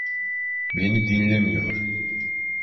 Beni dinlemiyor.